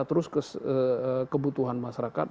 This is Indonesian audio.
terus kebutuhan masyarakat